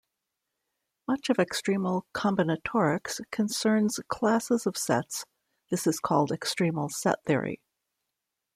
Much of extremal combinatorics concerns classes of sets; this is called extremal set theory.